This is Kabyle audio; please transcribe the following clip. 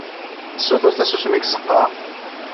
Nessutur tasusmi deg tzeqqa!